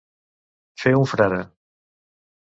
Fer un frare.